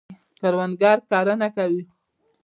کروندګر کرنه کوي.